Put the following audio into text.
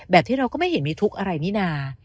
ที่เราก็ไม่เห็นมีทุกข์อะไรนี่นา